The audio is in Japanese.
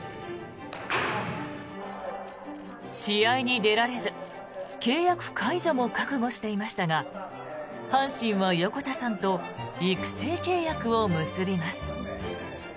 試合に出られず契約解除も覚悟していましたが阪神は横田さんと育成契約を結びます。